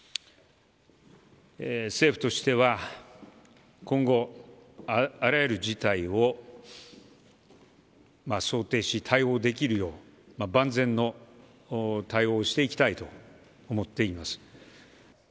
政府としては、今後あらゆる事態を想定し対応できるよう万全の対応をしていきたいと思っています。